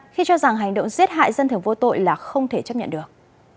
khi cho rằng hành động giết hại dân thường vô tội là không thể chấp nhận được